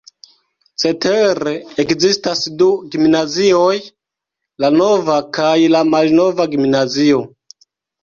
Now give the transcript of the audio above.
Cetere ekzistas du gimnazioj: La nova kaj la malnova gimnazio.